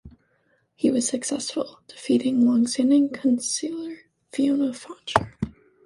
He was successful, defeating long-standing councillor Fiona Faucher.